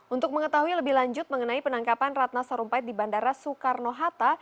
untuk mengetahui lebih lanjut mengenai penangkapan ratna sarumpait di bandara soekarno hatta